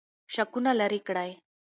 شکونه لرې کړئ.